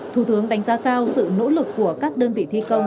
thủ tướng đánh giá cao sự nỗ lực của các đơn vị thi công